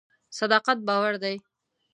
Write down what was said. صداقت باور دی.